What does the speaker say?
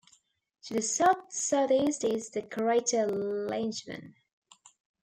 To the south-southeast is the crater Langevin.